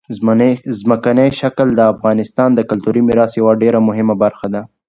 ځمکنی شکل د افغانستان د کلتوري میراث یوه ډېره مهمه برخه ده.